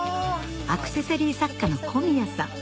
アクセサリー作家の小宮さん